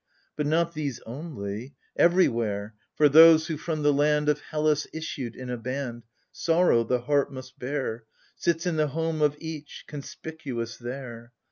But not these only : everywhere — For those who from the land Of Hellas issued in a band. Sorrow, the heart must bear. Sits in the home of each, conspicuous there.